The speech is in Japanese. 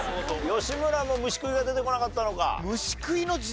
吉村も虫くいが出てこなかったのか。